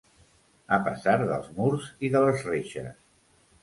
A pesar dels murs i de les reixes.